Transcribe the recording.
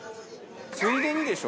ついでにでしょ？